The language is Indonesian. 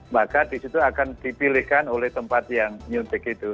maka disitu akan dipilihkan oleh tempat yang nyuntik itu